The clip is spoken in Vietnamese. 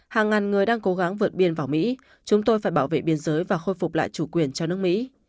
hàng ngàn người đang cố gắng vượt biên vào mỹ chúng tôi phải bảo vệ biên giới và khôi phục lại chủ quyền cho nước mỹ